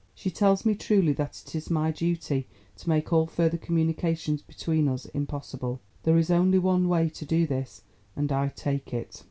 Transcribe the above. She tells me truly that it is my duty to make all further communications between us impossible. There is only one way to do this, and I take it.